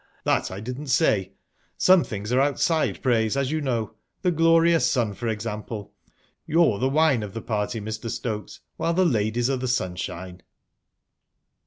"That I didn't say. Some things are outside praise, as you know the glorious sun, for example. You're the wine of the party, Mr. Stokes, while the ladies are the sunshine."